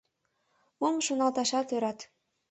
Мом шоналташат ӧрат.